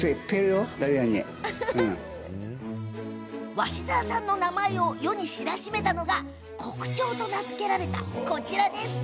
鷲澤さんの名前を世に知らしめたのが黒蝶と名付けられたダリアです。